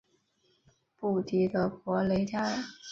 布迪德博雷加尔。